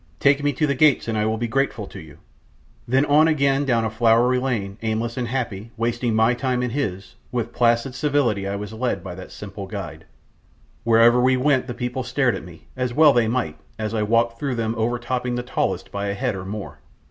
take me to the gates, and I will be grateful to you," then on again down a flowery lane, aimless and happy, wasting my time and his, with placid civility I was led by that simple guide. Wherever we went the people stared at me, as well they might, as I walked through them overtopping the tallest by a head or more.